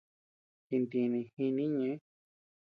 Jintini jinii ñeʼe.